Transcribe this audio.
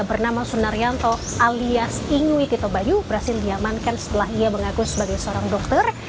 bernama sunaryanto alias ingui tito bayu berhasil diamankan setelah ia mengaku sebagai seorang dokter